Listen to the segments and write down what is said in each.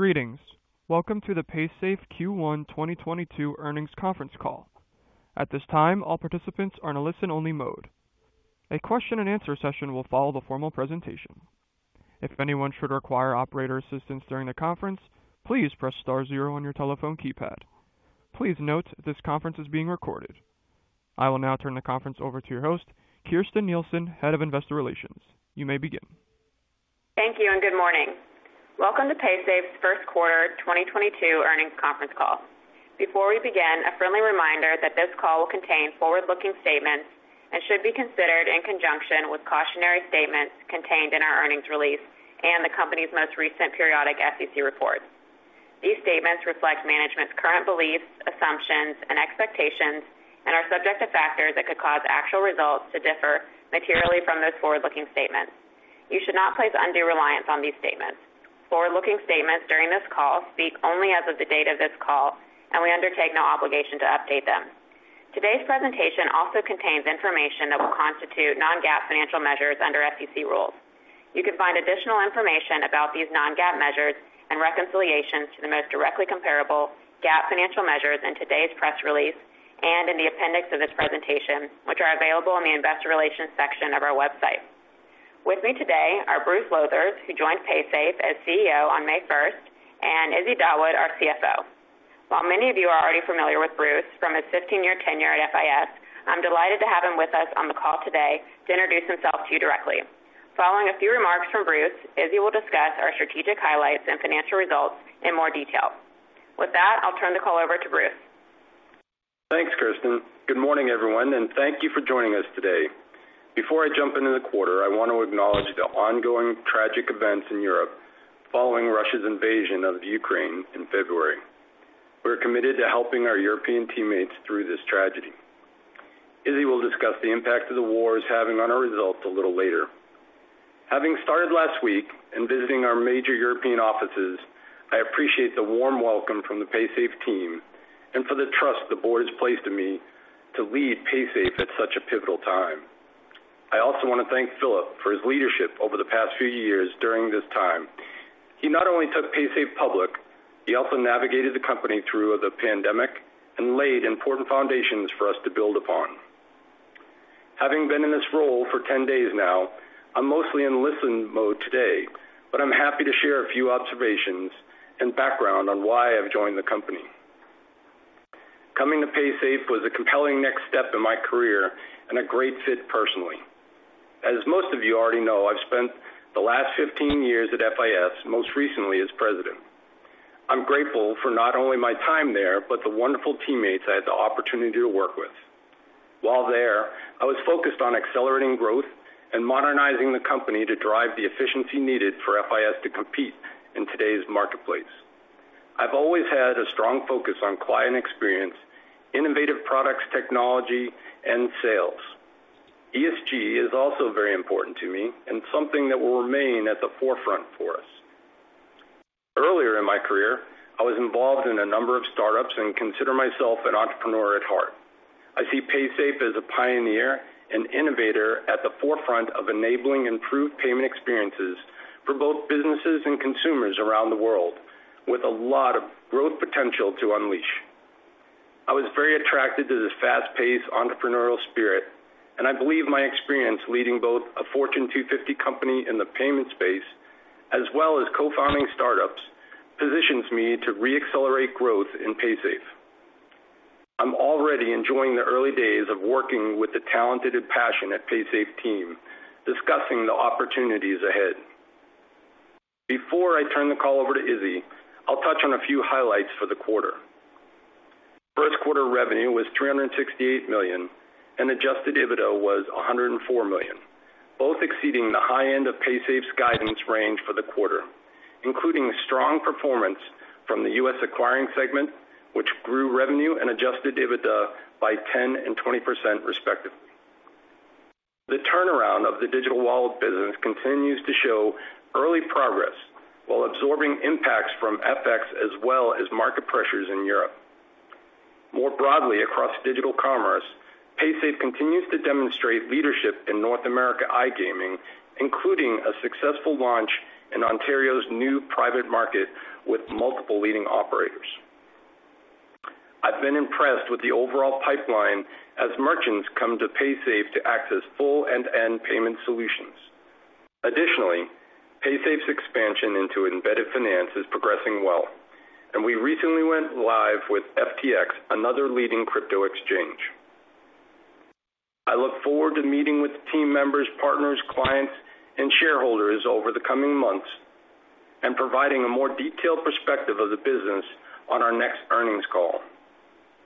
Greetings. Welcome to the Paysafe Q1 2022 earnings conference call. At this time, all participants are in a listen-only mode. A question and answer session will follow the formal presentation. If anyone should require operator assistance during the conference, please press star zero on your telephone keypad. Please note this conference is being recorded. I will now turn the conference over to your host, Kirsten Nielsen, Head of Investor Relations. You may begin. Thank you and good morning. Welcome to Paysafe's first quarter 2022 earnings conference call. Before we begin, a friendly reminder that this call will contain forward-looking statements and should be considered in conjunction with cautionary statements contained in our earnings release and the company's most recent periodic SEC report. These statements reflect management's current beliefs, assumptions, and expectations and are subject to factors that could cause actual results to differ materially from those forward-looking statements. You should not place undue reliance on these statements. Forward-looking statements during this call speak only as of the date of this call, and we undertake no obligation to update them. Today's presentation also contains information that will constitute non-GAAP financial measures under SEC rules. You can find additional information about these non-GAAP measures and reconciliations to the most directly comparable GAAP financial measures in today's press release and in the appendix of this presentation, which are available in the investor relations section of our website. With me today are Bruce Lowthers, who joined Paysafe as CEO on May first, and Izzy Dawood, our CFO. While many of you are already familiar with Bruce from his 15-year tenure at FIS, I'm delighted to have him with us on the call today to introduce himself to you directly. Following a few remarks from Bruce, Izzy will discuss our strategic highlights and financial results in more detail. With that, I'll turn the call over to Bruce. Thanks, Kirsten. Good morning, everyone, and thank you for joining us today. Before I jump into the quarter, I want to acknowledge the ongoing tragic events in Europe following Russia's invasion of Ukraine in February. We're committed to helping our European teammates through this tragedy. Izzy will discuss the impact of the war is having on our results a little later. Having started last week in visiting our major European offices, I appreciate the warm welcome from the Paysafe team and for the trust the board has placed in me to lead Paysafe at such a pivotal time. I also wanna thank Philip for his leadership over the past few years during this time. He not only took Paysafe public, he also navigated the company through the pandemic and laid important foundations for us to build upon. Having been in this role for 10 days now, I'm mostly in listen mode today, but I'm happy to share a few observations and background on why I've joined the company. Coming to Paysafe was a compelling next step in my career and a great fit personally. As most of you already know, I've spent the last 15 years at FIS, most recently as president. I'm grateful for not only my time there but the wonderful teammates I had the opportunity to work with. While there, I was focused on accelerating growth and modernizing the company to drive the efficiency needed for FIS to compete in today's marketplace. I've always had a strong focus on client experience, innovative products technology, and sales. ESG is also very important to me and something that will remain at the forefront for us. Earlier in my career, I was involved in a number of startups and consider myself an entrepreneur at heart. I see Paysafe as a pioneer and innovator at the forefront of enabling improved payment experiences for both businesses and consumers around the world with a lot of growth potential to unleash. I was very attracted to this fast-paced entrepreneurial spirit, and I believe my experience leading both a Fortune 250 company in the payments space as well as co-founding startups positions me to re-accelerate growth in Paysafe. I'm already enjoying the early days of working with the talented and passionate Paysafe team discussing the opportunities ahead. Before I turn the call over to Izzy, I'll touch on a few highlights for the quarter. First quarter revenue was $368 million, and adjusted EBITDA was $104 million, both exceeding the high end of Paysafe's guidance range for the quarter, including strong performance from the U.S. acquiring segment, which grew revenue and adjusted EBITDA by 10% and 20% respectively. The turnaround of the digital wallet business continues to show early progress while absorbing impacts from FX as well as market pressures in Europe. More broadly across digital commerce, Paysafe continues to demonstrate leadership in North America iGaming, including a successful launch in Ontario's new private market with multiple leading operators. I've been impressed with the overall pipeline as merchants come to Paysafe to access full end-to-end payment solutions. Additionally, Paysafe's expansion into embedded finance is progressing well, and we recently went live with FTX, another leading crypto exchange. I look forward to meeting with team members, partners, clients, and shareholders over the coming months and providing a more detailed perspective of the business on our next earnings call.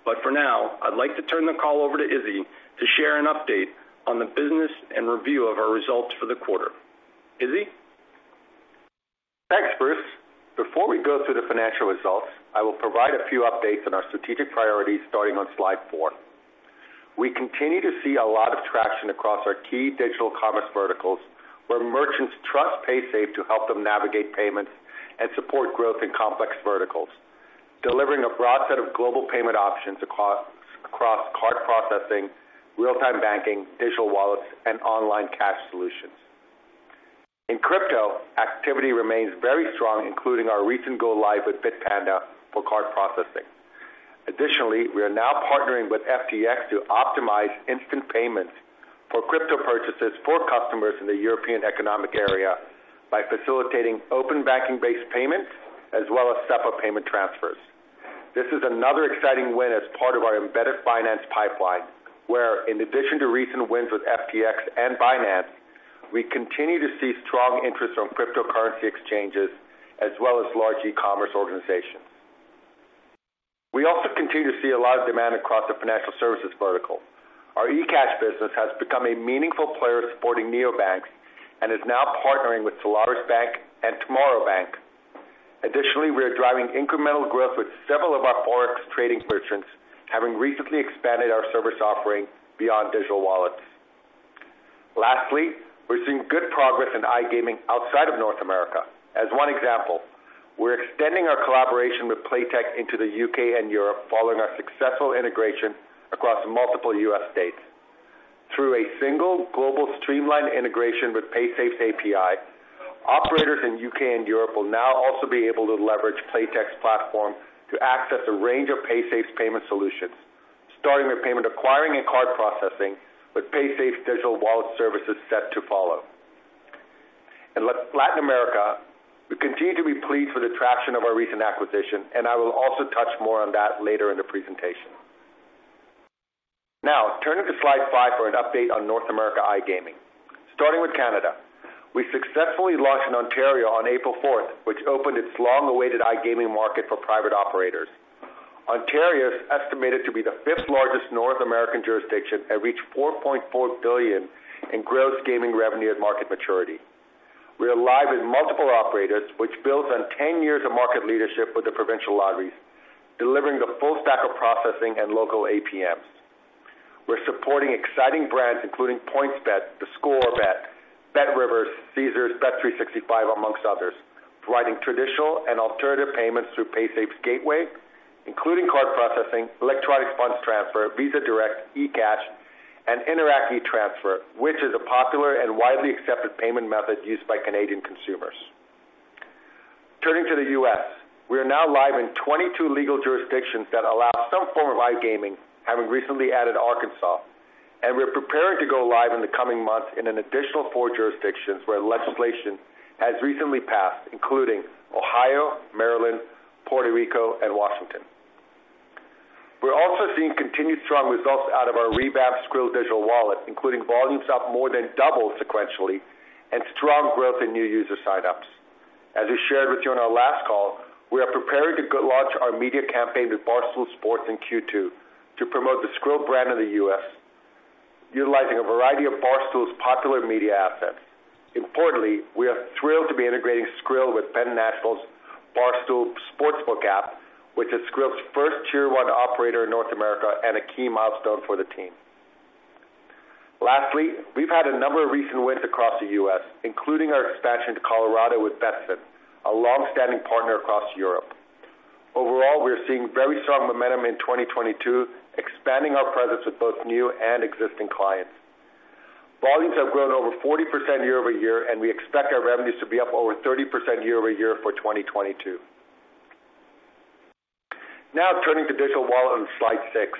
For now, I'd like to turn the call over to Izzy to share an update on the business and review of our results for the quarter. Izzy? Thanks, Bruce. Before we go through the financial results, I will provide a few updates on our strategic priorities starting on slide four. We continue to see a lot of traction across our key digital commerce verticals where merchants trust Paysafe to help them navigate payments and support growth in complex verticals. Delivering a broad set of global payment options across card processing, real-time banking, digital wallets, and online cash solutions. In crypto, activity remains very strong, including our recent go-live with Bitpanda for card processing. Additionally, we are now partnering with FTX to optimize instant payments for crypto purchases for customers in the European Economic Area by facilitating open banking-based payments as well as SEPA payment transfers. This is another exciting win as part of our embedded finance pipeline, where in addition to recent wins with FTX and Binance, we continue to see strong interest from cryptocurrency exchanges as well as large e-commerce organizations. We also continue to see a lot of demand across the financial services vertical. Our e-cash business has become a meaningful player supporting neobanks and is now partnering with Solaris Bank and Tomorrow Bank. Additionally, we are driving incremental growth with several of our Forex trading merchants, having recently expanded our service offering beyond digital wallets. Lastly, we're seeing good progress in iGaming outside of North America. As one example, we're extending our collaboration with Playtech into the U.K. and Europe following our successful integration across multiple U.S. states. Through a single global streamlined integration with Paysafe's API, operators in U.K. and Europe will now also be able to leverage Playtech's platform to access a range of Paysafe's payment solutions, starting with payment acquiring and card processing, with Paysafe's digital wallet services set to follow. In Latin America, we continue to be pleased with the traction of our recent acquisition, and I will also touch more on that later in the presentation. Now turning to slide five for an update on North America iGaming. Starting with Canada. We successfully launched in Ontario on April fourth, which opened its long-awaited iGaming market for private operators. Ontario is estimated to be the fifth-largest North American jurisdiction and reach $4.4 billion in gross gaming revenue at market maturity. We are live with multiple operators, which builds on 10 years of market leadership with the provincial lotteries, delivering the full stack of processing and local APMs. We're supporting exciting brands including PointsBet, theScore Bet, BetRivers, Caesars, bet365 amongst others, providing traditional and alternative payments through Paysafe's gateway, including card processing, electronic funds transfer, Visa Direct, eCash, and Interac e-Transfer, which is a popular and widely accepted payment method used by Canadian consumers. Turning to the U.S.. We are now live in 22 legal jurisdictions that allow some form of iGaming, having recently added Arkansas, and we're preparing to go live in the coming months in an additional four jurisdictions where legislation has recently passed, including Ohio, Maryland, Puerto Rico, and Washington. We're also seeing continued strong results out of our revamped Skrill Digital Wallet, including volumes up more than double sequentially and strong growth in new user sign-ups. As we shared with you on our last call, we are preparing to go launch our media campaign with Barstool Sports in Q2 to promote the Skrill brand in the U.S., utilizing a variety of Barstool's popular media assets. Importantly, we are thrilled to be integrating Skrill with Penn National's Barstool sportsbook app, which is Skrill's first Tier One operator in North America and a key milestone for the team. Lastly, we've had a number of recent wins across the U.S., including our expansion to Colorado with Betsson, a long-standing partner across Europe. Overall, we're seeing very strong momentum in 2022, expanding our presence with both new and existing clients. Volumes have grown over 40% year-over-year, and we expect our revenues to be up over 30% year-over-year for 2022. Now turning to digital wallet on slide six.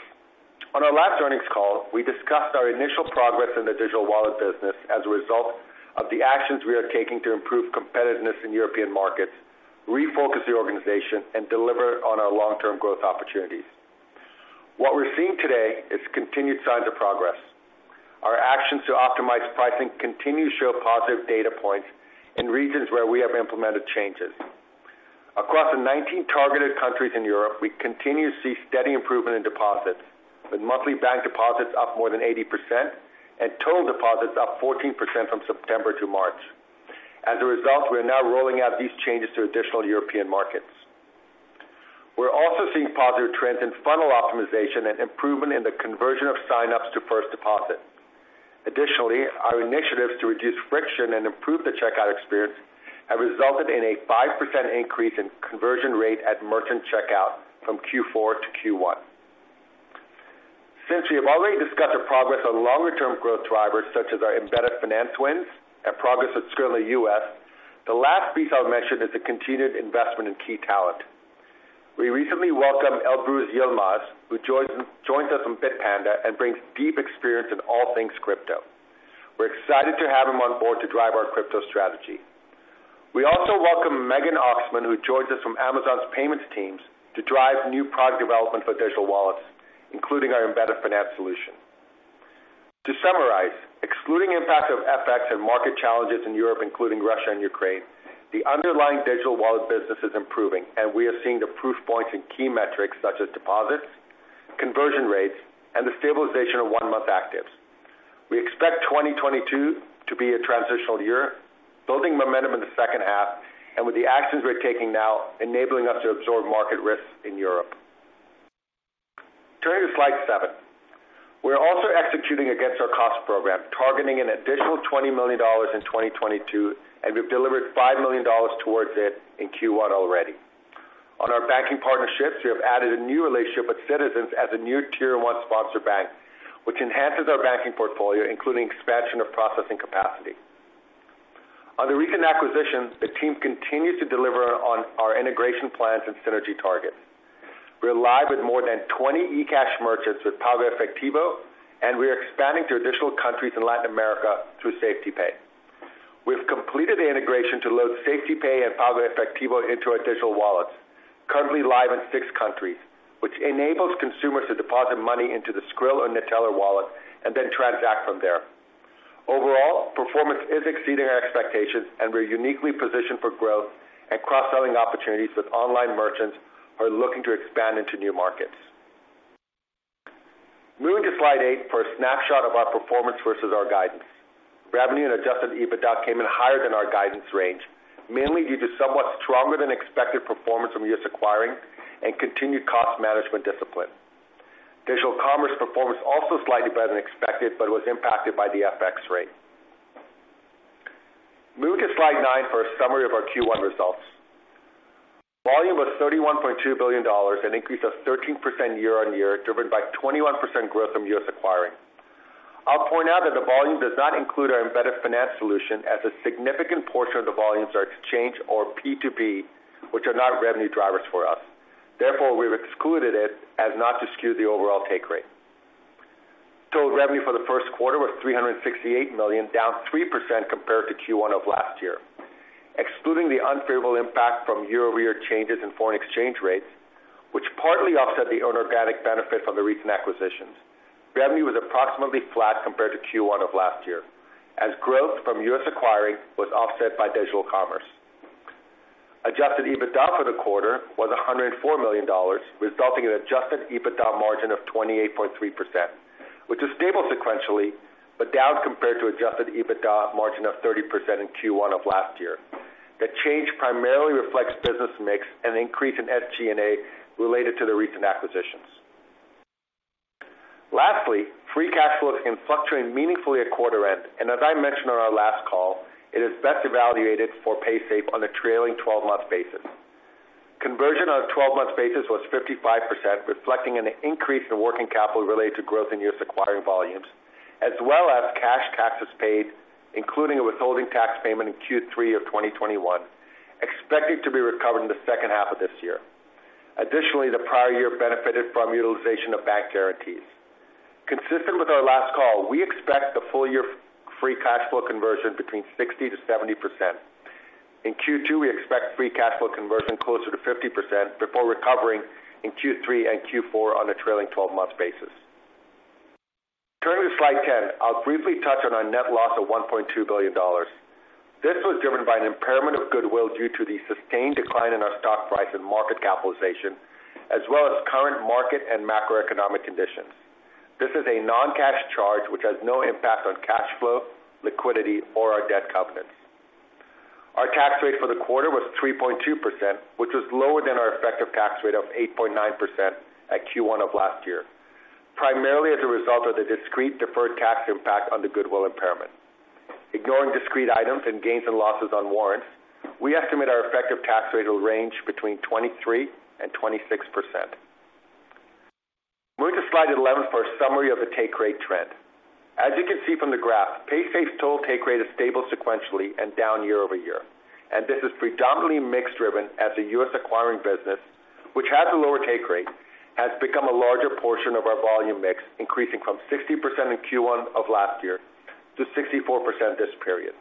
On our last earnings call, we discussed our initial progress in the digital wallet business as a result of the actions we are taking to improve competitiveness in European markets, refocus the organization, and deliver on our long-term growth opportunities. What we're seeing today is continued signs of progress. Our actions to optimize pricing continue to show positive data points in regions where we have implemented changes. Across the 19 targeted countries in Europe, we continue to see steady improvement in deposits, with monthly bank deposits up more than 80% and total deposits up 14% from September to March. As a result, we are now rolling out these changes to additional European markets. We're also seeing positive trends in funnel optimization and improvement in the conversion of sign-ups to first deposit. Additionally, our initiatives to reduce friction and improve the checkout experience have resulted in a 5% increase in conversion rate at merchant checkout from Q4 to Q1. Since we have already discussed our progress on longer-term growth drivers such as our embedded finance wins and progress with Skrill in the U.S., the last piece I'll mention is the continued investment in key talent. We recently welcomed Elbruz Yılmaz, who joins us from Bitpanda and brings deep experience in all things crypto. We're excited to have him on board to drive our crypto strategy. We also welcome Megan Oxman, who joins us from Amazon's payments teams to drive new product development for digital wallets, including our embedded finance solution. To summarize, excluding impact of FX and market challenges in Europe, including Russia and Ukraine, the underlying digital wallet business is improving, and we are seeing the proof points in key metrics such as deposits, conversion rates, and the stabilization of one-month actives. We expect 2022 to be a transitional year, building momentum in the second half and with the actions we're taking now enabling us to absorb market risks in Europe. Moving to slide seven. We are also executing against our cost program, targeting an additional $20 million in 2022 and we've delivered $5 million towards it in Q1 already. On our banking partnerships, we have added a new relationship with Citizens as a new tier one sponsor bank, which enhances our banking portfolio, including expansion of processing capacity. On the recent acquisitions, the team continues to deliver on our integration plans and synergy targets. We're live with more than 20 eCash merchants with PagoEfectivo, and we are expanding to additional countries in Latin America through SafetyPay. We've completed the integration to load SafetyPay and PagoEfectivo into our digital wallets currently live in six countries, which enables consumers to deposit money into the Skrill or NETELLER wallet and then transact from there. Overall, performance is exceeding our expectations and we're uniquely positioned for growth and cross-selling opportunities with online merchants who are looking to expand into new markets. Moving to slide eight for a snapshot of our performance versus our guidance. Revenue and adjusted EBITDA came in higher than our guidance range, mainly due to somewhat stronger than expected performance from U.S. acquiring and continued cost management discipline. Digital commerce performance also slightly better than expected but was impacted by the FX rate. Moving to slide nine for a summary of our Q1 results. Volume was $31.2 billion, an increase of 13% year-over-year, driven by 21% growth from U.S. acquiring. I'll point out that the volume does not include our embedded finance solution as a significant portion of the volumes are exchange or P2P, which are not revenue drivers for us. Therefore, we've excluded it as not to skew the overall take rate. Total revenue for the first quarter was $368 million, down 3% compared to Q1 of last year. Excluding the unfavorable impact from year-over-year changes in foreign exchange rates, which partly offset the inorganic benefit from the recent acquisitions, revenue was approximately flat compared to Q1 of last year as growth from U.S. acquiring was offset by digital commerce. Adjusted EBITDA for the quarter was $104 million, resulting in adjusted EBITDA margin of 28.3%, which is stable sequentially but down compared to adjusted EBITDA margin of 30% in Q1 of last year. The change primarily reflects business mix and increase in SG&A related to the recent acquisitions. Lastly, free cash flow can fluctuate meaningfully at quarter end, and as I mentioned on our last call, it is best evaluated for Paysafe on a trailing twelve-month basis. Conversion on a 12-month basis was 55%, reflecting an increase in working capital related to growth in US acquiring volumes as well as cash taxes paid, including a withholding tax payment in Q3 of 2021 expected to be recovered in the second half of this year. Additionally, the prior year benefited from utilization of bank guarantees. Consistent with our last call, we expect the full year free cash flow conversion between 60%-70%. In Q2, we expect free cash flow conversion closer to 50% before recovering in Q3 and Q4 on a trailing 12-month basis. Turning to slide 10, I'll briefly touch on our net loss of $1.2 billion. This was driven by an impairment of goodwill due to the sustained decline in our stock price and market capitalization as well as current market and macroeconomic conditions. This is a non-cash charge which has no impact on cash flow, liquidity, or our debt covenants. Our tax rate for the quarter was 3.2%, which was lower than our effective tax rate of 8.9% at Q1 of last year, primarily as a result of the discrete deferred tax impact on the goodwill impairment. Ignoring discrete items and gains and losses on warrants, we estimate our effective tax rate will range between 23%-26%. Moving to slide 11 for a summary of the take rate trend. As you can see from the graph, Paysafe's total take rate is stable sequentially and down year over year. This is predominantly mix driven as the US acquiring business, which has a lower take rate, has become a larger portion of our volume mix, increasing from 60% in Q1 of last year to 64% this period.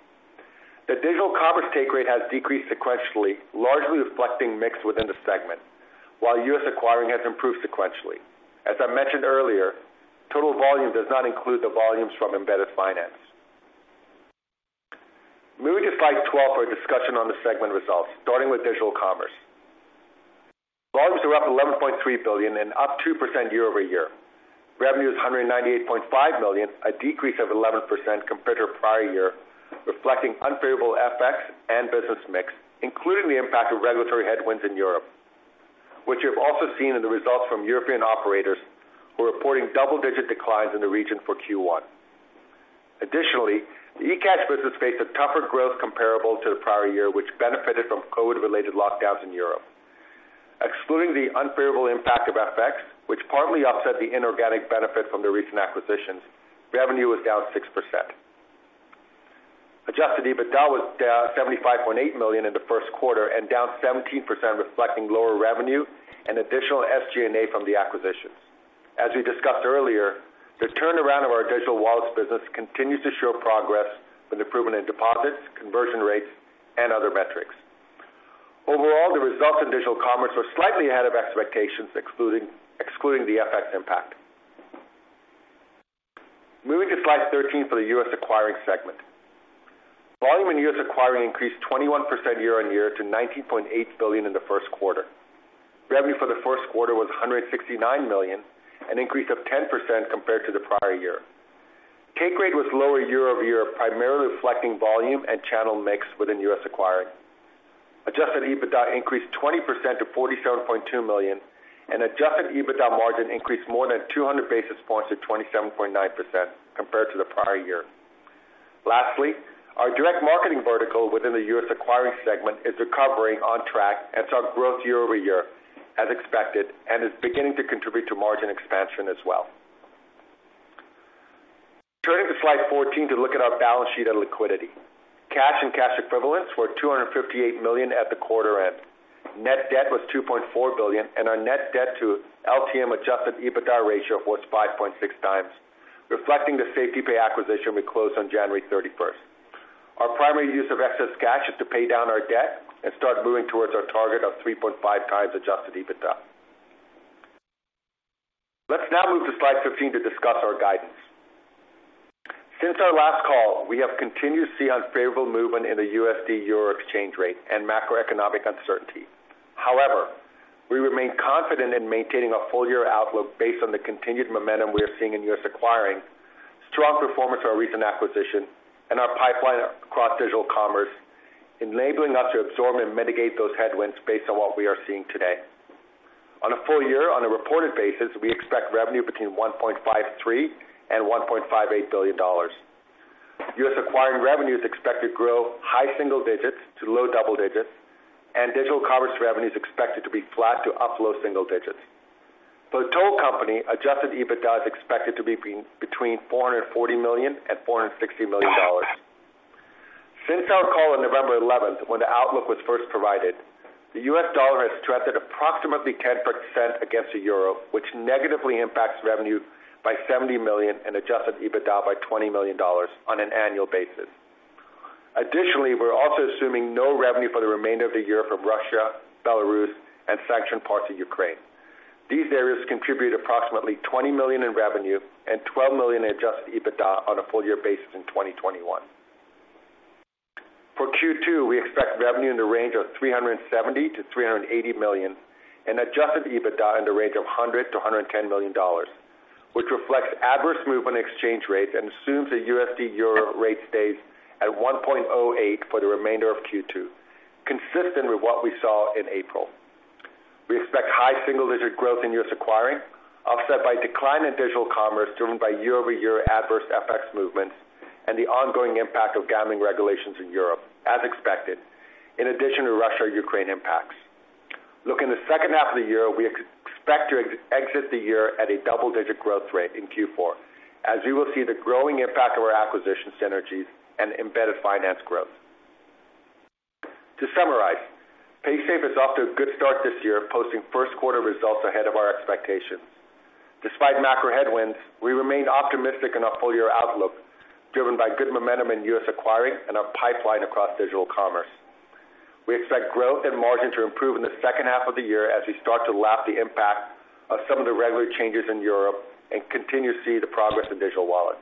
The digital commerce take rate has decreased sequentially, largely reflecting mix within the segment while US acquiring has improved sequentially. As I mentioned earlier, total volume does not include the volumes from embedded finance. Moving to slide 12 for a discussion on the segment results starting with digital commerce. Volumes were up $11.3 billion and up 2% year-over-year. Revenue is $198.5 million, a decrease of 11% compared to prior year, reflecting unfavorable FX and business mix, including the impact of regulatory headwinds in Europe, which you have also seen in the results from European operators who are reporting double-digit declines in the region for Q1. Additionally, the eCash business faced a tougher growth comparable to the prior year, which benefited from COVID-related lockdowns in Europe. Excluding the unfavorable impact of FX, which partly offset the inorganic benefit from the recent acquisitions, revenue was down 6%. Adjusted EBITDA was down $75.8 million in the first quarter and down 17% reflecting lower revenue and additional SG&A from the acquisition. As we discussed earlier, the turnaround of our digital wallets business continues to show progress with improvement in deposits, conversion rates, and other metrics. Overall, the results in digital commerce were slightly ahead of expectations excluding the FX impact. Moving to slide 13 for the U.S. acquiring segment. Volume in U.S. acquiring increased 21% year-over-year to $19.8 billion in the first quarter. Revenue for the first quarter was $169 million, an increase of 10% compared to the prior year. Take rate was lower year-over-year, primarily reflecting volume and channel mix within U.S. acquiring. Adjusted EBITDA increased 20% to $47.2 million and adjusted EBITDA margin increased more than 200 basis points to 27.9% compared to the prior year. Lastly, our direct marketing vertical within the U.S. acquiring segment is recovering on track and saw growth year-over-year as expected and is beginning to contribute to margin expansion as well. Turning to slide 14 to look at our balance sheet and liquidity. Cash and cash equivalents were $258 million at the quarter end. Net debt was $2.4 billion and our net debt to LTM adjusted EBITDA ratio was 5.6x, reflecting the SafetyPay acquisition we closed on January 31. Our primary use of excess cash is to pay down our debt and start moving towards our target of 3.5x adjusted EBITDA. Let's now move to slide 15 to discuss our guidance. Since our last call, we have continued to see unfavorable movement in the USD/EUR exchange rate and macroeconomic uncertainty. However, we remain confident in maintaining a full year outlook based on the continued momentum we are seeing in U.S. acquiring, strong performance of our recent acquisition and our pipeline across digital commerce, enabling us to absorb and mitigate those headwinds based on what we are seeing today. On a full year on a reported basis, we expect revenue between $1.53 billion and $1.58 billion. US acquiring revenue is expected to grow high single digits to low double digits, and digital commerce revenue is expected to be flat to up low single digits. For the total company, adjusted EBITDA is expected to be between $440 million and $460 million. Since our call on November eleventh, when the outlook was first provided, the US dollar has strengthened approximately 10% against the euro, which negatively impacts revenue by $70 million and adjusted EBITDA by $20 million on an annual basis. Additionally, we're also assuming no revenue for the remainder of the year from Russia, Belarus, and sanctioned parts of Ukraine. These areas contribute approximately $20 million in revenue and $12 million in adjusted EBITDA on a full year basis in 2021. For Q2, we expect revenue in the range of $370 million-$380 million and adjusted EBITDA in the range of $100 million-$110 million, which reflects adverse movement exchange rates and assumes the USD/EUR rate stays at 1.08 for the remainder of Q2, consistent with what we saw in April. We expect high single-digit growth in U.S. acquiring, offset by decline in digital commerce driven by year-over-year adverse FX movements and the ongoing impact of gambling regulations in Europe, as expected, in addition to Russia-Ukraine impacts. Looking at the second half of the year, we expect to exit the year at a double-digit growth rate in Q4, as you will see the growing impact of our acquisition synergies and embedded finance growth. To summarize, Paysafe is off to a good start this year, posting first quarter results ahead of our expectations. Despite macro headwinds, we remain optimistic in our full year outlook, driven by good momentum in U.S. acquiring and our pipeline across digital commerce. We expect growth and margin to improve in the second half of the year as we start to lap the impact of some of the regulatory changes in Europe and continue to see the progress in digital wallet.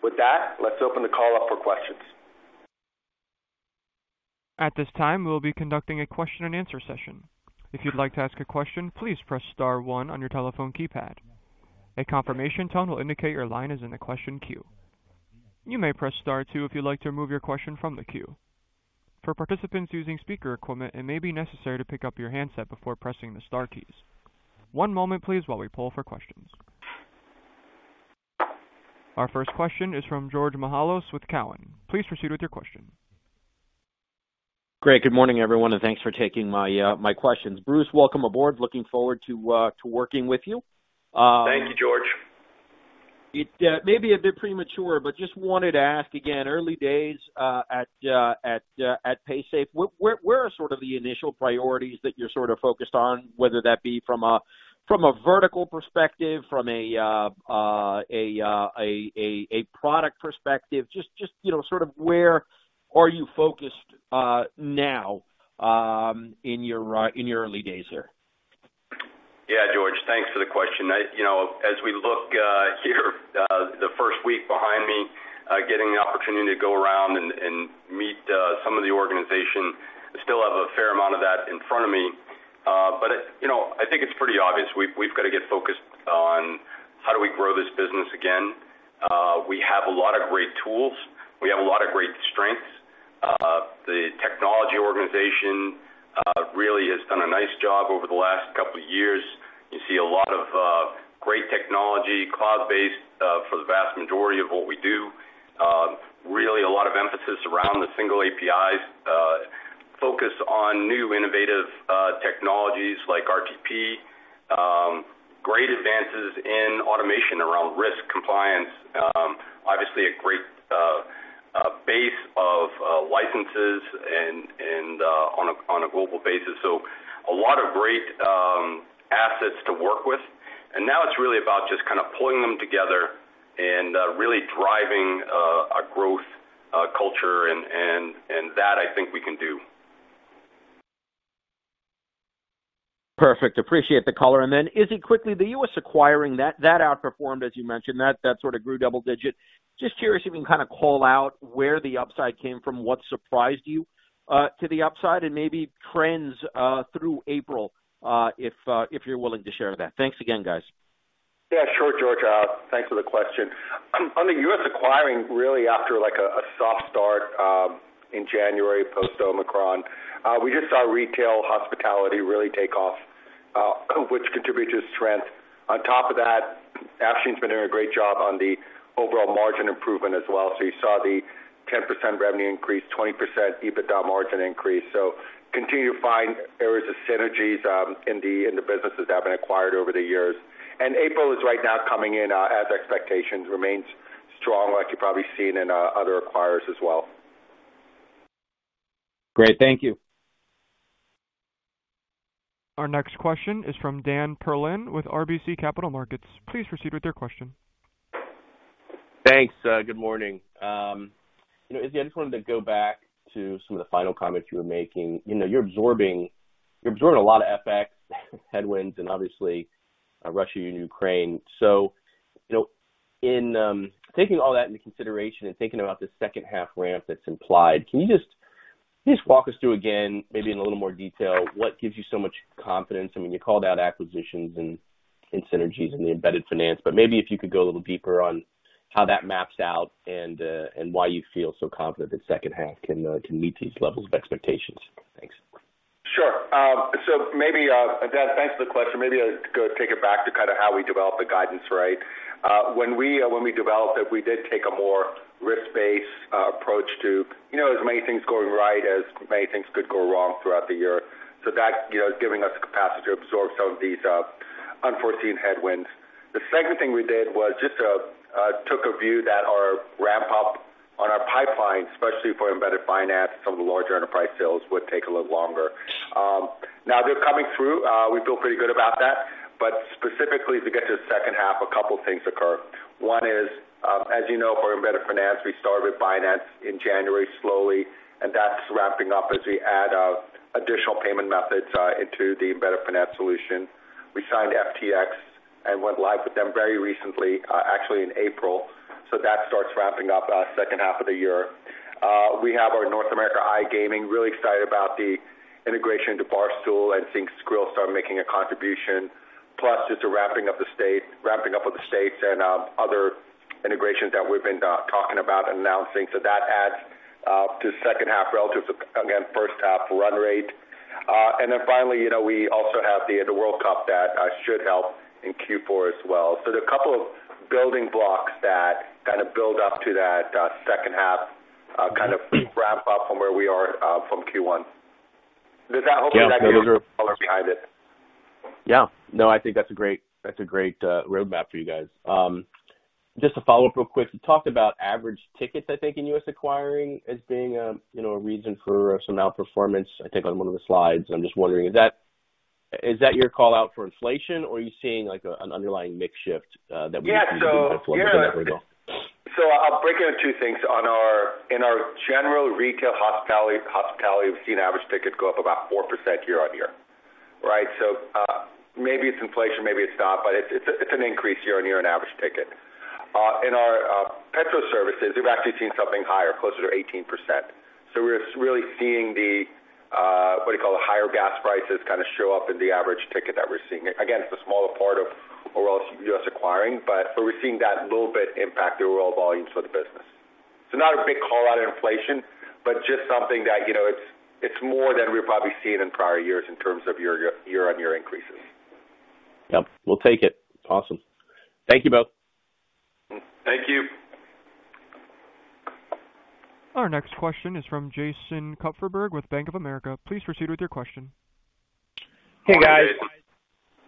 With that, let's open the call up for questions. At this time, we will be conducting a question and answer session. If you'd like to ask a question, please press star one on your telephone keypad. A confirmation tone will indicate your line is in the question queue. You may press star two if you'd like to remove your question from the queue. For participants using speaker equipment, it may be necessary to pick up your handset before pressing the star keys. One moment please while we poll for questions. Our first question is from George Mihalos with Cowen. Please proceed with your question. Great. Good morning, everyone, and thanks for taking my questions. Bruce, welcome aboard. Looking forward to working with you. Thank you, George. It may be a bit premature, but just wanted to ask again, early days at Paysafe, where are sort of the initial priorities that you're sort of focused on, whether that be from a vertical perspective, from a product perspective? Just you know, sort of where are you focused now, in your early days there? Yeah. George, thanks for the question. You know, as we look here, the first week behind me, getting the opportunity to go around and meet some of the organization. I still have a fair amount of that in front of me. But you know, I think it's pretty obvious we've got to get focused on how do we grow this business again. We have a lot of great tools. We have a lot of great strengths. The technology organization really has done a nice job over the last couple of years. You see a lot of great technology, cloud-based, for the vast majority of what we do. Really a lot of emphasis around the single APIs, focus on new innovative technologies like RTP, great advances in automation around risk compliance, obviously a great base of licenses and on a global basis. A lot of great assets to work with. Now it's really about just kind of pulling them together and really driving a growth culture and that I think we can do. Perfect. Appreciate the color. Izzy quickly, the U.S. acquiring that outperformed as you mentioned, that sort of grew double-digit. Just curious if you can kind of call out where the upside came from, what surprised you to the upside and maybe trends through April if you're willing to share that. Thanks again, guys. Yeah, sure, George. Thanks for the question. On the U.S. acquiring really after like a soft start in January post Omicron, we just saw retail hospitality really take off, which contributed to strength. On top of that, Afshin's been doing a great job on the overall margin improvement as well. You saw the 10% revenue increase, 20% EBITDA margin increase. Continue to find areas of synergies in the businesses that have been acquired over the years. April is right now coming in as expectations remains strong, like you've probably seen in other acquirers as well. Great. Thank you. Our next question is from Dan Perlin with RBC Capital Markets. Please proceed with your question. Thanks. Good morning. You know, Izzy, I just wanted to go back to some of the final comments you were making. You know, you're absorbing a lot of FX headwinds and obviously Russia and Ukraine. You know, taking all that into consideration and thinking about the second half ramp that's implied, can you just walk us through again, maybe in a little more detail, what gives you so much confidence? I mean, you called out acquisitions and synergies and the embedded finance, but maybe if you could go a little deeper on how that maps out and why you feel so confident that second half can meet these levels of expectations. Thanks. Sure. Maybe, Dan, thanks for the question. Maybe I'll go take it back to kind of how we develop the guidance, right? When we developed it, we did take a more risk-based approach to, you know, as many things going right as many things could go wrong throughout the year. That, you know, is giving us capacity to absorb some of these unforeseen headwinds. The second thing we did was just took a view that our ramp up on our pipeline, especially for embedded finance, some of the larger enterprise sales would take a little longer. Now they're coming through. We feel pretty good about that. Specifically to get to the second half, a couple things occur. One is, as you know, for embedded finance, we started with finance in January slowly, and that's ramping up as we add additional payment methods into the embedded finance solution. We signed FTX and went live with them very recently, actually in April, so that starts ramping up second half of the year. We have our North America iGaming, really excited about the integration into Barstool and think Skrill started making a contribution. Plus just the ramping up of the states and other integrations that we've been talking about announcing. That adds to second half relative to, again, first half run rate. Finally, you know, we also have the World Cup that should help in Q4 as well. There are a couple of building blocks that kind of build up to that, second half, kind of wrap up from where we are, from Q1. Does that. Hopefully that gives color behind it. Yeah. No, I think that's a great roadmap for you guys. Just to follow up real quick, you talked about average tickets, I think, in U.S. acquiring as being, you know, a reason for some outperformance, I think, on one of the slides. I'm just wondering, is that your call-out for inflation or are you seeing like an underlying mix shift that we- Yeah. That's what we're gonna go. I'll break it into two things. In our general retail hospitality, we've seen average tickets go up about 4% year-on-year. Maybe it's inflation, maybe it's not, but it's an increase year-on-year on average ticket. In our petrol services, we've actually seen something higher, closer to 18%. We're really seeing the what do you call it, higher gas prices kind of show up in the average ticket that we're seeing. Again, it's a smaller part of overall U.S. acquiring, but we're seeing that little bit impact the overall volumes for the business. It's not a big call out of inflation, but just something that, you know, it's more than we've probably seen in prior years in terms of year-on-year increases. Yep. We'll take it. Awesome. Thank you both. Thank you. Our next question is from Jason Kupferberg with Bank of America. Please proceed with your question. Hey, guys.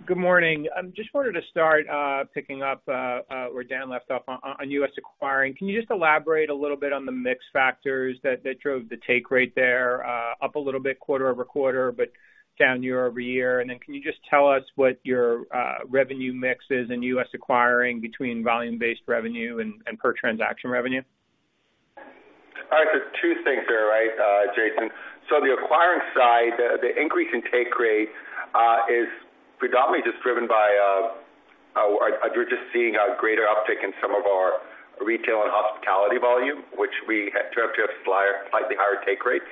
Good morning. Just wanted to start picking up where Dan left off on U.S. acquiring. Can you just elaborate a little bit on the mix factors that drove the take rate there up a little bit quarter-over-quarter, but down year-over-year. Then can you just tell us what your revenue mix is in U.S. acquiring between volume-based revenue and per transaction revenue? All right. Two things there, right, Jason. The acquiring side, the increase in take rate is predominantly just driven by we're just seeing a greater uptick in some of our retail and hospitality volume, which we happen to have slightly higher take rates.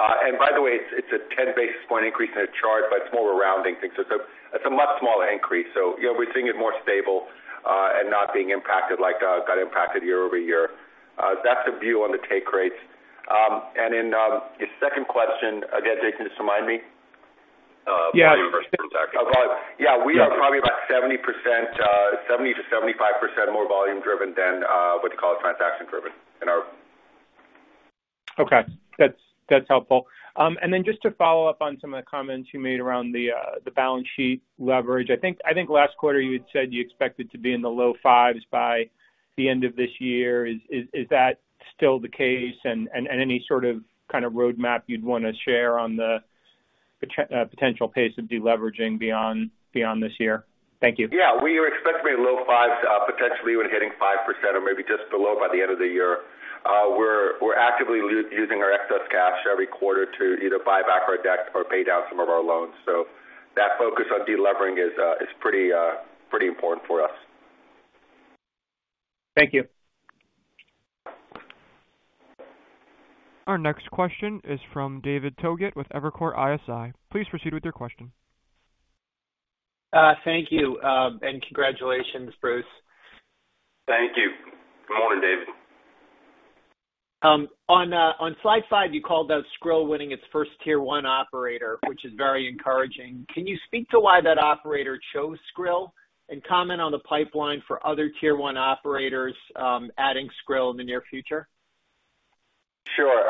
And by the way, it's a 10 basis point increase in a chart, but it's more of a rounding thing. It's a much smaller increase. You know, we're seeing it more stable and not being impacted like got impacted year-over-year. That's the view on the take rates. Then your second question again, Jason, just remind me. Volume versus transaction. Yeah. We are probably about 70%, 70%-75% more volume driven than, what you call it, transaction driven in our... Okay. That's helpful. Then just to follow up on some of the comments you made around the balance sheet leverage. I think last quarter you had said you expected to be in the low fives by the end of this year. Is that still the case? Any sort of kind of roadmap you'd wanna share on the potential pace of deleveraging beyond this year? Thank you. Yeah. We were expecting low fives, potentially even hitting 5% or maybe just below by the end of the year. We're actively using our excess cash every quarter to either buy back our debt or pay down some of our loans. That focus on delevering is pretty important for us. Thank you. Our next question is from David Togut with Evercore ISI. Please proceed with your question. Thank you. Congratulations, Bruce. Thank you. Good morning, David Togut. On slide five, you called out Skrill winning its first tier one operator, which is very encouraging. Can you speak to why that operator chose Skrill and comment on the pipeline for other tier one operators adding Skrill in the near future? Sure.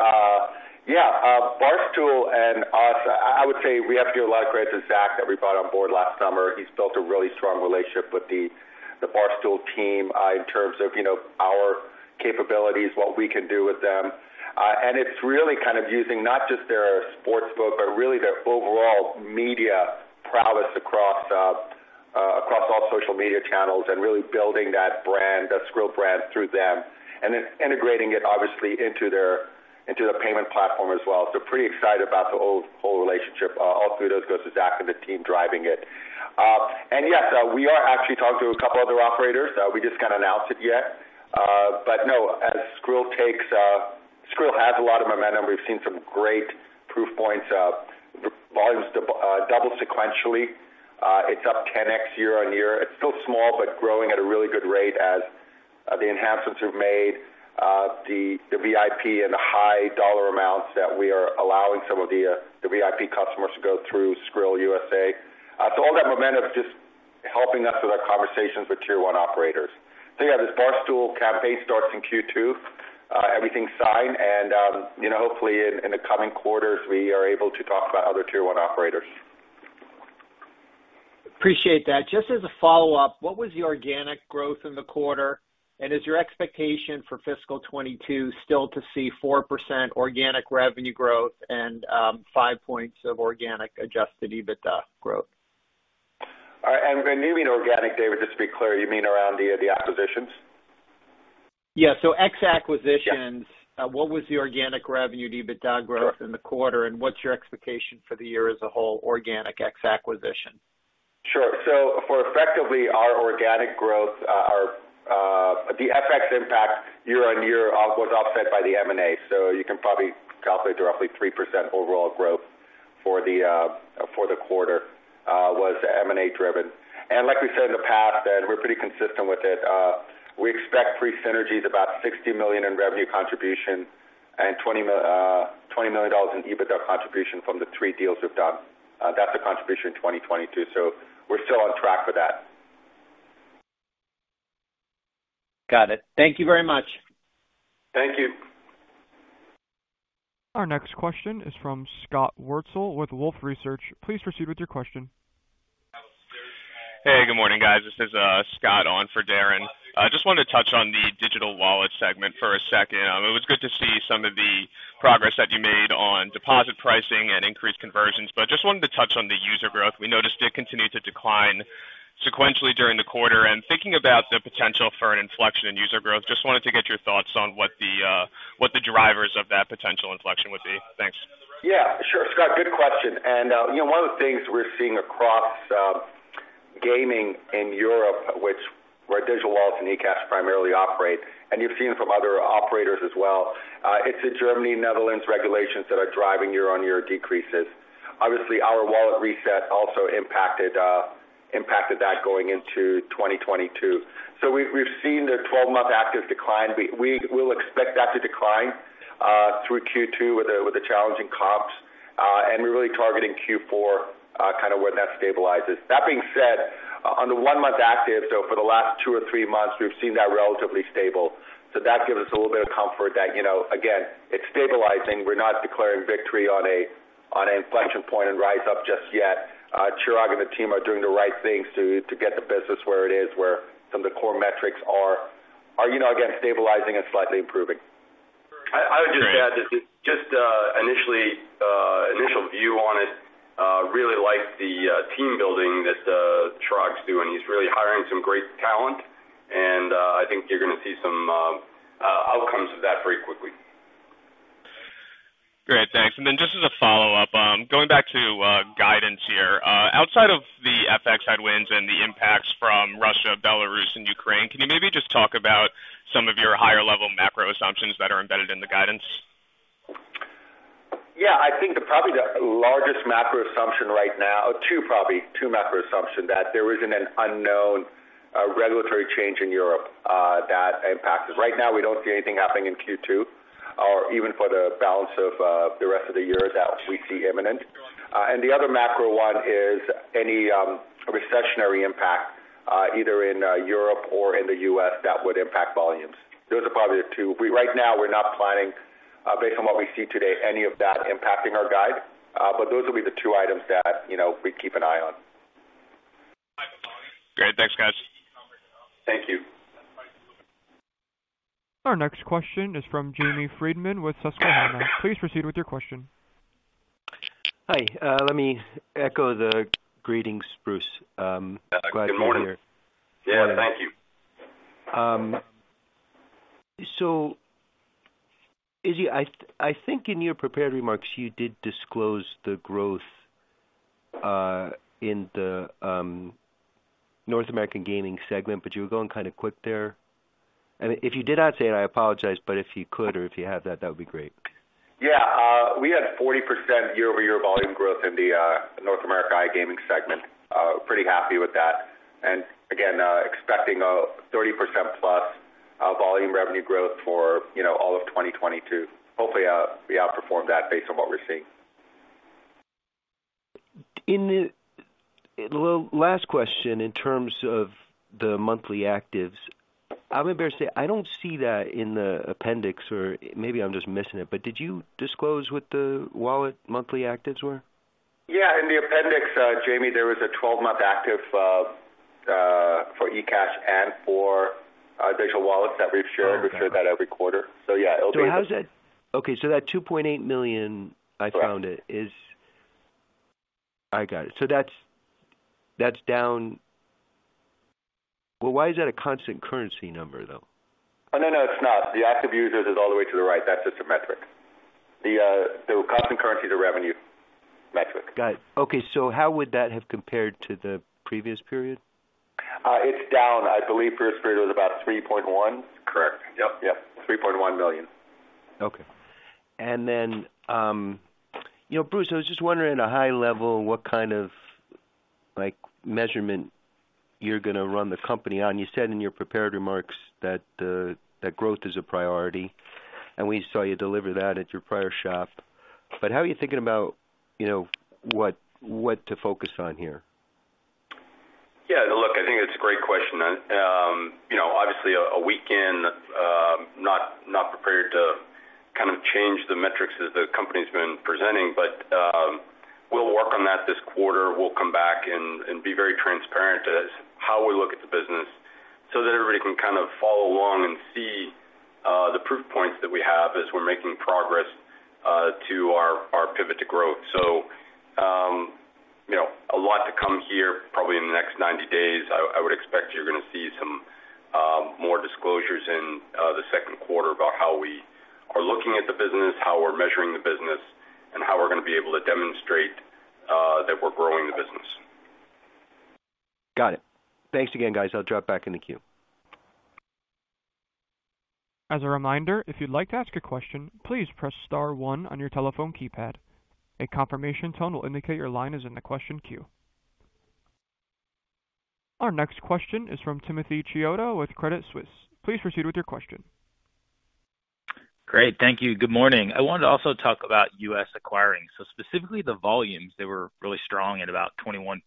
Barstool and us, I would say we have to give a lot of credit to Zach that we brought on board last summer. He's built a really strong relationship with the Barstool team in terms of, you know, our capabilities, what we can do with them. It's really kind of using not just their sportsbook, but really their overall media prowess across all social media channels and really building that Skrill brand through them, and then integrating it obviously into their payment platform as well. Pretty excited about the whole relationship all through those because of Zach and the team driving it. We are actually talking to a couple other operators, we just can't announce it yet. As Skrill takes. Skrill has a lot of momentum. We've seen some great proof points. Volumes double sequentially. It's up 10x year-on-year. It's still small, but growing at a really good rate as the enhancements we've made, the VIP and the high dollar amounts that we are allowing some of the VIP customers to go through Skrill USA. All that momentum is just helping us with our conversations with tier one operators. Yeah, this Barstool campaign starts in Q2, everything's signed and, you know, hopefully in the coming quarters, we are able to talk about other tier one operators. Appreciate that. Just as a follow-up, what was the organic growth in the quarter? Is your expectation for fiscal 2022 still to see 4% organic revenue growth and five points of organic adjusted EBITDA growth? All right. When you mean organic, David, just to be clear, you mean around the acquisitions? Yeah. Ex-acquisitions. Yeah. What was the organic revenue EBITDA growth? Sure. In the quarter, and what's your expectation for the year as a whole organic ex acquisition? Sure. For effectively our organic growth, the FX impact year on year was offset by the M&A. You can probably calculate roughly 3% overall growth for the quarter was M&A driven. Like we said in the past, we're pretty consistent with it, we expect pre synergies about $60 million in revenue contribution and $20 million in EBITDA contribution from the three deals we've done. That's a contribution in 2022, we're still on track for that. Got it. Thank you very much. Thank you. Our next question is from Scott Wurtzel with Wolfe Research. Please proceed with your question. Hey, good morning, guys. This is Scott on for Darren. I just wanted to touch on the digital wallet segment for a second. It was good to see some of the progress that you made on deposit pricing and increased conversions, but just wanted to touch on the user growth. We noticed it continued to decline sequentially during the quarter. Thinking about the potential for an inflection in user growth, just wanted to get your thoughts on what the drivers of that potential inflection would be. Thanks. Yeah, sure, Scott. Good question. You know, one of the things we're seeing across gaming in Europe, where digital wallets and eCash primarily operate, and you've seen from other operators as well, it's the Germany, Netherlands regulations that are driving year-on-year decreases. Obviously, our wallet reset also impacted that going into 2022. We've seen the twelve-month active decline. We will expect that to decline through Q2 with the challenging comps. We're really targeting Q4 kind of when that stabilizes. That being said, on the one-month active, for the last two or three months, we've seen that relatively stable. That gives us a little bit of comfort that, you know, again, it's stabilizing. We're not declaring victory on an inflection point and rise up just yet. Chirag and the team are doing the right things to get the business where it is, where some of the core metrics are, you know, again, stabilizing and slightly improving. I would just add that I really like the team building that Chirag's doing. He's really hiring some great talent, and I think you're gonna see some outcomes of that very quickly. Great. Thanks. Just as a follow-up, going back to guidance here, outside of the FX headwinds and the impacts from Russia, Belarus, and Ukraine, can you maybe just talk about some of your higher level macro assumptions that are embedded in the guidance? Yeah. I think probably the largest macro assumptions right now are two, that there isn't an unknown regulatory change in Europe that impacts us. Right now, we don't see anything happening in Q2 or even for the balance of the rest of the year that we see imminent. The other macro one is any recessionary impact either in Europe or in the US that would impact volumes. Those are probably the two. Right now we're not planning based on what we see today, any of that impacting our guide. Those will be the two items that, you know, we keep an eye on. Great. Thanks, guys. Thank you. Our next question is from Jamie Friedman with Susquehanna. Please proceed with your question. Hi, let me echo the greetings, Bruce. Glad you're here. Good morning. Yeah, thank you. Izzy, I think in your prepared remarks, you did disclose the growth in the North American gaming segment, but you were going kind of quick there. I mean, if you did not say it, I apologize, but if you could or if you have that would be great. Yeah. We had 40% year-over-year volume growth in the North America iGaming segment. Pretty happy with that. Again, expecting a 30%+ volume revenue growth for, you know, all of 2022. Hopefully, we outperform that based on what we're seeing. Well, last question in terms of the monthly actives. I'm embarrassed to say I don't see that in the appendix or maybe I'm just missing it, but did you disclose what the wallet monthly actives were? Yeah. In the appendix, Jamie, there was a 12-month active for eCash and for digital wallets that we've shared. We share that every quarter. Yeah. Okay, so that $2.8 million I found it is. I got it. That's down. Well, why is that a constant currency number, though? Oh, no, it's not. The active users is all the way to the right. That's just a metric. The, the constant currency, the revenue metric. Got it. Okay. How would that have compared to the previous period? It's down. I believe previous period was about $3.1. Correct. Yep. $3.1 million. Okay. You know, Bruce, I was just wondering at a high level what kind of, like, measurement you're gonna run the company on. You said in your prepared remarks that growth is a priority, and we saw you deliver that at your prior shop. How are you thinking about, you know, what to focus on here? Yeah, look, I think it's a great question. You know, obviously a week in, not prepared to kind of change the metrics that the company's been presenting, but we'll work on that this quarter. We'll come back and be very transparent on how we look at the business so that everybody can kind of follow along and see the proof points that we have as we're making progress to our pivot to growth. You know, a lot to come here probably in the next 90 days. I would expect you're gonna see some more disclosures in the second quarter about how we are looking at the business, how we're measuring the business, and how we're gonna be able to demonstrate that we're growing the business. Got it. Thanks again, guys. I'll drop back in the queue. As a reminder, if you'd like to ask a question, please press star one on your telephone keypad. A confirmation tone will indicate your line is in the question queue. Our next question is from Timothy Chiodo with Credit Suisse. Please proceed with your question. Great. Thank you. Good morning. I wanted to also talk about U.S. acquiring, so specifically the volumes that were really strong at about 21%.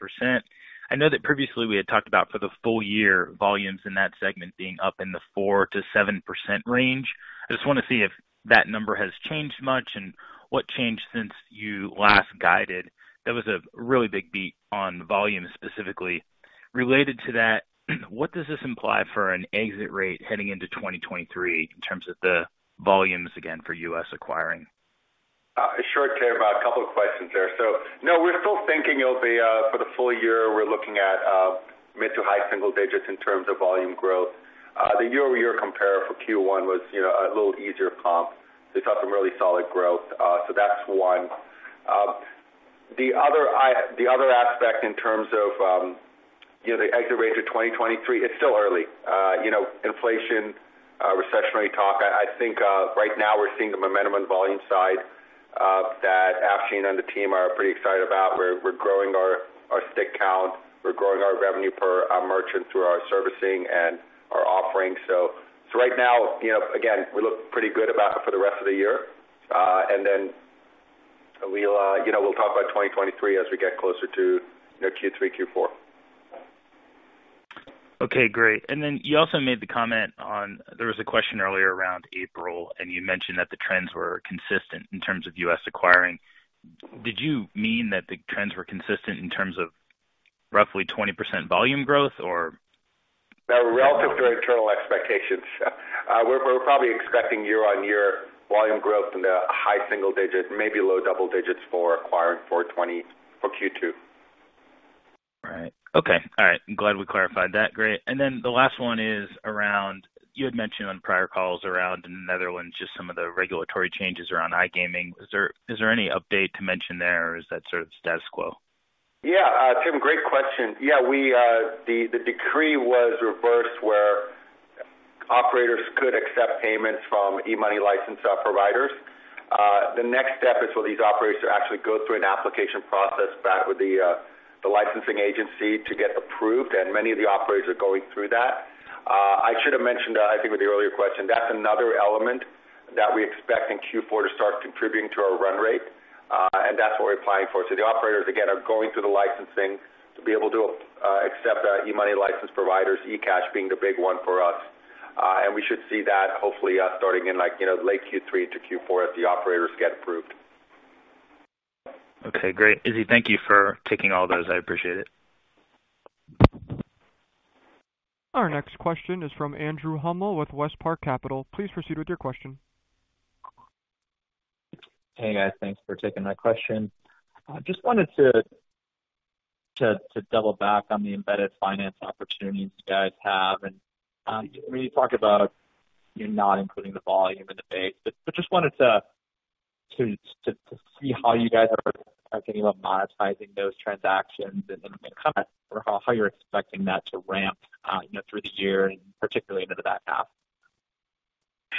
I know that previously we had talked about for the full year volumes in that segment being up in the 4%-7% range. I just want to see if that number has changed much and what changed since you last guided. That was a really big beat on volume specifically. Related to that, what does this imply for an exit rate heading into 2023 in terms of the volumes again for U.S. acquiring? Sure, Tim. A couple of questions there. No, we're still thinking it'll be for the full year, we're looking at mid- to high-single-digit % in terms of volume growth. The year-over-year compare for Q1 was, you know, a little easier comp. We saw some really solid growth. So that's one. The other aspect in terms of, you know, the exit rates of 2023, it's still early. You know, inflation, recessionary talk. I think right now we're seeing the momentum on the volume side that Afshin and the team are pretty excited about. We're growing our stick count. We're growing our revenue per our merchant through our servicing and our offerings. So right now, you know, again, we look pretty good about it for the rest of the year. We'll talk about 2023 as we get closer to, you know, Q3, Q4. Okay, great. You also made the comment on, there was a question earlier around April, and you mentioned that the trends were consistent in terms of U.S. acquiring. Did you mean that the trends were consistent in terms of roughly 20% volume growth or? No. Relative to our internal expectations. We're probably expecting year-on-year volume growth in the high single digits, maybe low double digits for acquiring for Q2. Right. Okay. All right. I'm glad we clarified that. Great. The last one is around you had mentioned on prior calls around the Netherlands, just some of the regulatory changes around iGaming. Is there any update to mention there or is that sort of status quo? Tim, great question. The decree was reversed where operators could accept payments from e-money license providers. The next step is for these operators to actually go through an application process back with the licensing agency to get approved, and many of the operators are going through that. I should have mentioned, I think with the earlier question, that's another element that we expect in Q4 to start contributing to our run rate. And that's what we're applying for. The operators again are going through the licensing to be able to accept e-money license providers, eCash being the big one for us. And we should see that hopefully starting in, like, you know, late Q3 to Q4 as the operators get approved. Okay, great. Izzy, thank you for taking all those. I appreciate it. Our next question is from Andrew Hummel with WestPark Capital. Please proceed with your question. Hey, guys. Thanks for taking my question. I just wanted to. To double back on the embedded finance opportunities you guys have. When you talk about you're not including the volume in the base, but just wanted to see how you guys are thinking about monetizing those transactions and then kind of how you're expecting that to ramp, you know, through the year and particularly into the back half.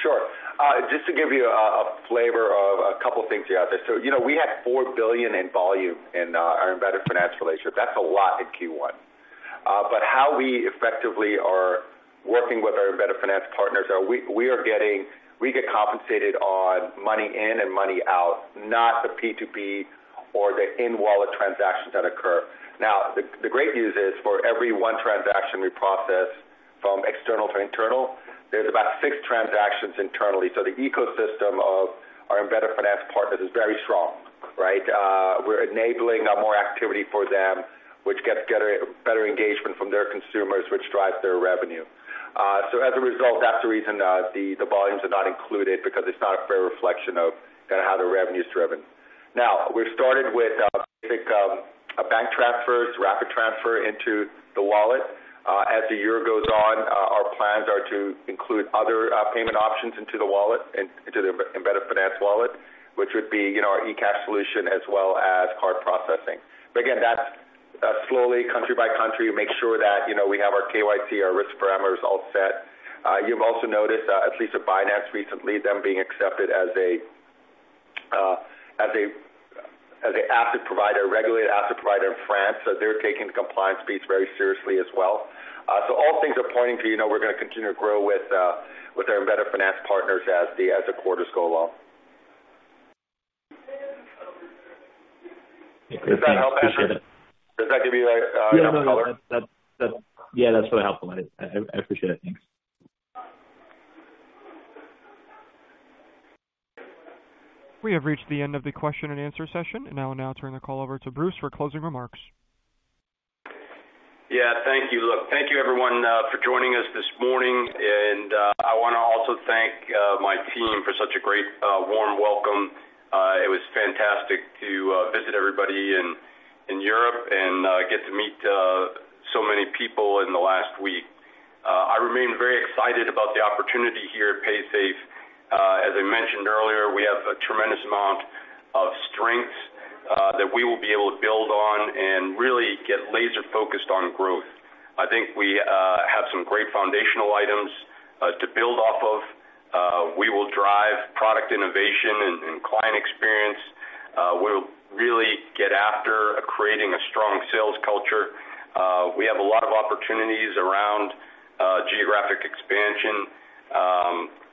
Sure. Just to give you a flavor of a couple things you asked there. You know, we had $4 billion in volume in our embedded finance relationship. That's a lot in Q1. But how we effectively are working with our embedded finance partners, we get compensated on money in and money out, not the P2P or the in-wallet transactions that occur. Now, the great news is, for every one transaction we process from external to internal, there's about six transactions internally. The ecosystem of our embedded finance partners is very strong, right? We're enabling more activity for them, which gets better engagement from their consumers, which drives their revenue. As a result, that's the reason, the volumes are not included because it's not a fair reflection of kinda how the revenue is driven. Now, we've started with basic bank transfers, rapid transfer into the wallet. As the year goes on, our plans are to include other payment options into the wallet and into the embedded finance wallet, which would be, you know, our eCash solution as well as card processing. Again, that's slowly country by country. Make sure that, you know, we have our KYC, our risk parameters all set. You've also noticed, at least with Binance recently, them being accepted as a asset provider, regulated asset provider in France. They're taking the compliance piece very seriously as well. All things are pointing to, you know, we're gonna continue to grow with our embedded finance partners as the quarters go along. Okay, thanks. Appreciate it. Does that help, Andrew? Does that give you a color? Yeah. No, that. Yeah, that's really helpful. I appreciate it. Thanks. We have reached the end of the question and answer session. I'm now turning the call over to Bruce for closing remarks. Yeah. Thank you. Look, thank you everyone for joining us this morning. I wanna also thank my team for such a great warm welcome. It was fantastic to visit everybody in Europe and get to meet so many people in the last week. I remain very excited about the opportunity here at Paysafe. As I mentioned earlier, we have a tremendous amount of strengths that we will be able to build on and really get laser-focused on growth. I think we have some great foundational items to build off of. We will drive product innovation and client experience. We'll really get after creating a strong sales culture. We have a lot of opportunities around geographic expansion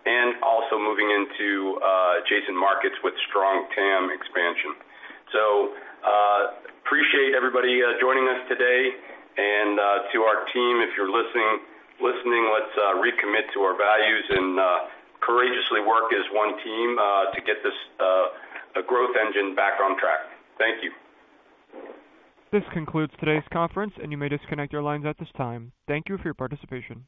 and also moving into adjacent markets with strong TAM expansion. Appreciate everybody joining us today. To our team, if you're listening, let's recommit to our values and courageously work as one team to get this growth engine back on track. Thank you. This concludes today's conference, and you may disconnect your lines at this time. Thank you for your participation.